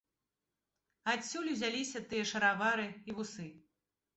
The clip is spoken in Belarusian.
Адсюль узяліся тыя шаравары і вусы.